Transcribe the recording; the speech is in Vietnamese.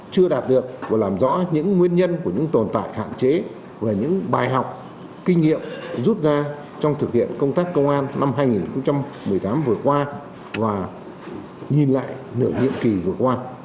chưa đạt được và làm rõ những nguyên nhân của những tồn tại hạn chế và những bài học kinh nghiệm rút ra trong thực hiện công tác công an năm hai nghìn một mươi tám vừa qua và nhìn lại nửa nhiệm kỳ vừa qua